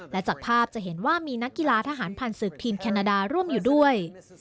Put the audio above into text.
และจากภาพจะเห็นว่ามีนักกีฬาทหารผ่านศึกทีมแคนาดาร่วมอยู่ด้วย